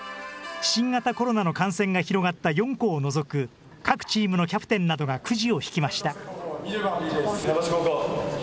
新型コロナの感染が広がった４校を除く各チームのキャプテンなどがくじを引きました。